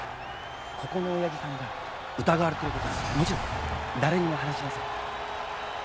ここのおやじさんが疑われてることももちろん誰にも話しません。